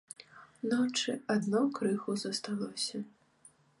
Ночы адно крыху засталося.